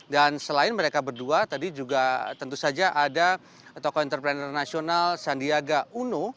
dan selain mereka berdua tadi juga tentu saja ada tokoh entrepreneur nasional sandiaga uno